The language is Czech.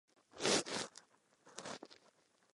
V minulosti byl samostatnou obcí.